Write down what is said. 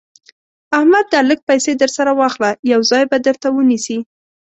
احمده دا لږ پيسې در سره واخله؛ يو ځای به درته ونيسي.